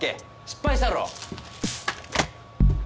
失敗したろ？